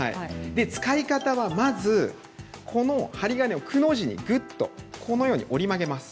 使い方は、まず針金をくの字に折り曲げます。